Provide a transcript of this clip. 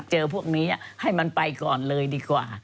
เจอพวกนี้ให้มันไปก่อนเลยดีกว่า